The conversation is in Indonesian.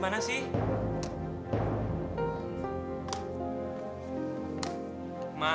gak ada peristiwa